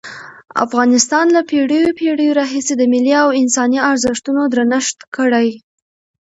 افغانستان له پېړیو پېړیو راهیسې د ملي او انساني ارزښتونو درنښت کړی.